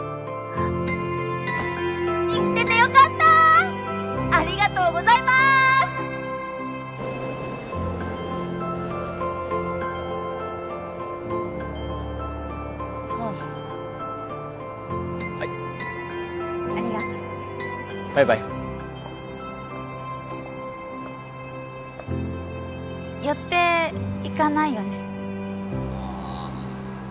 はあはいありがとうバイバイ寄っていかないよね？